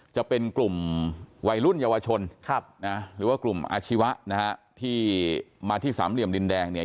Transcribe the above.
จะเป็นกลุ่มวัยรุ่นเยาวชนหรือว่ากลุ่มอาชีวะนะฮะที่มาที่สามเหลี่ยมดินแดงเนี่ย